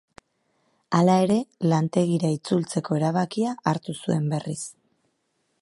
Hala ere, lantegira itzultzeko erabakia hartu zuen berriz.